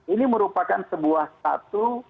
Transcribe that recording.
ini merupakan sebuah satu